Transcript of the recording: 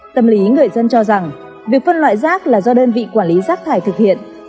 tâm lý người dân cho rằng việc phân loại rác là do đơn vị quản lý rác thải thực hiện